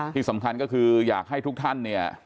ที่สำคัญก็คืออยากให้ทุกท่านเนี่ย